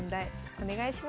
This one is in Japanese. お願いします。